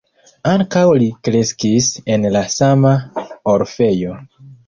Ankaŭ li kreskis en la sama orfejo.